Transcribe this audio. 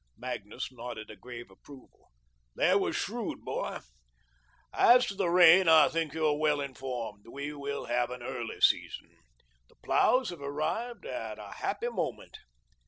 Magnus nodded a grave approval. "That was shrewd, boy. As to the rain, I think you are well informed; we will have an early season. The ploughs have arrived at a happy moment."